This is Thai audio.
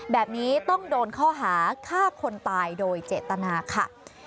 แบบนี้ต้องโดนข้อหาฆ่าคนตายโดยเจตนาค่ะ